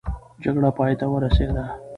جګړه پای ته ورسېده.